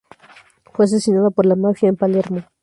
Fue asesinado por la Mafia en Palermo.